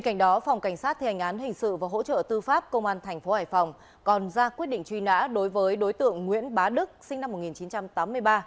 cảnh đó phòng cảnh sát thi hành án hình sự và hỗ trợ tư pháp công an tp hải phòng còn ra quyết định truy nã đối với đối tượng nguyễn bá đức sinh năm một nghìn chín trăm tám mươi ba